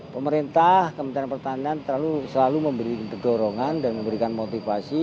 pemerintah kementerian pertanian selalu memberikan pedorongan dan memberikan motivasi